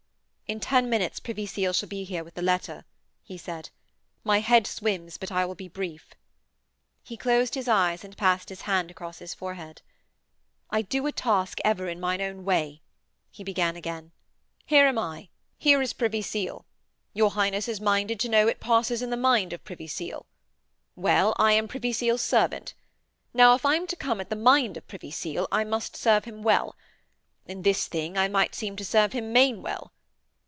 'In ten minutes Privy Seal shall be here with the letter,' he said. 'My head swims, but I will be brief.' He closed his eyes and passed his hand across his forehead. 'I do a task ever in mine own way,' he began again. 'Here am I. Here is Privy Seal. Your Highness is minded to know what passes in the mind of Privy Seal. Well: I am Privy Seal's servant. Now, if I am to come at the mind of Privy Seal, I must serve him well. In this thing I might seem to serve him main well.